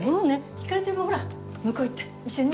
ひかりちゃんもほら向こう行って一緒にね。